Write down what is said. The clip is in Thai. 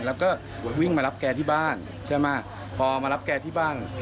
แล้วก็วิ่งมารับแกที่บ้านใช่ไหมพอมารับแกที่บ้าน